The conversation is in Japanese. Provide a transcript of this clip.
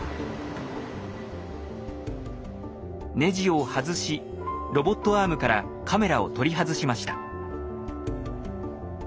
ネジを外しロボットアームからカメラを取り外しました。